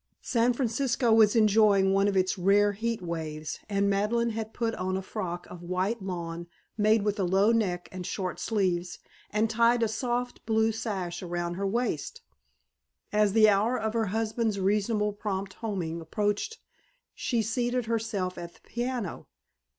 San Francisco was enjoying one of its rare heat waves and Madeleine had put on a frock of white lawn made with a low neck and short sleeves, and tied a soft blue sash round her waist. As the hour of her husband's reasonably prompt homing approached she seated herself at the piano.